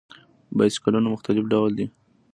بایسکلونه مختلف ډوله دي.